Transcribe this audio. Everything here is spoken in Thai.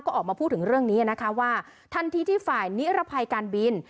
ก็ออกมาพูดถึงเรื่องนี้นะคะว่าทันทีที่ฝ่ายนิรภัยการบิน